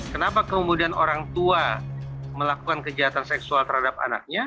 kenapa kemudian orang tua melakukan kejahatan seksual terhadap anaknya